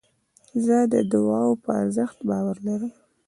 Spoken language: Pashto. زه د دؤعا په ارزښت باور لرم.